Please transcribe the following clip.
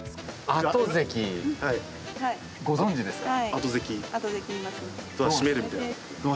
あとぜき、ご存じですか？